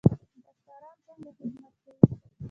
ډاکټران څنګه خدمت کوي؟